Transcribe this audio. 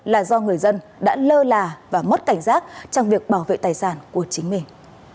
là do người dân đã lơ là và mất cảnh giác trong việc bảo vệ tài sản của chính mình